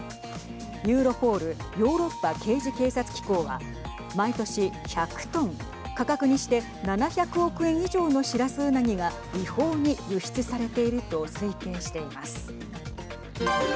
ユーロポール＝ヨーロッパ刑事警察機構は毎年１００トン、価格にして７００億円以上のシラスウナギが違法に輸出されていると推計しています。